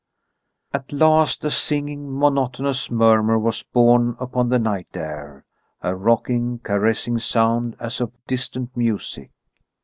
At last a singing, monotonous murmur was borne upon the night air, a rocking, caressing sound as of distant music.